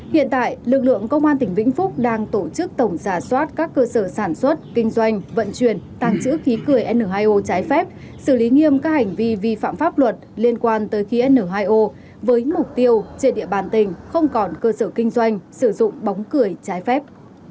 hiện tại lực lượng công an tỉnh vĩnh phúc đang tổ chức tổng giả soát các cơ sở sản xuất kinh doanh vận chuyển tàng trữ khí cười n hai o trái phép xử lý nghiêm các hành vi vi phạm pháp luật liên quan tới khí n hai o với mục tiêu trên địa bàn tỉnh không còn cơ sở kinh doanh sử dụng bóng cười trái phép